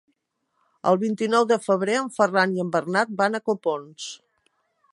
El vint-i-nou de febrer en Ferran i en Bernat van a Copons.